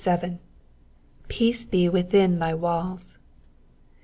^^ Peace he within thy walls.''